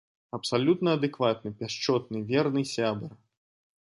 Абсалютна адэкватны, пяшчотны, верны сябар.